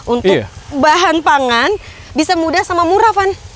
untuk bahan pangan bisa mudah sama murah fann